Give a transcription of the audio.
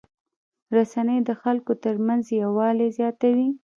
رسنۍ د خلکو ترمنځ یووالی زیاتوي.